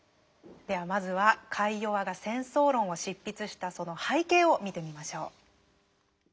ではまずはカイヨワが「戦争論」を執筆したその背景を見てみましょう。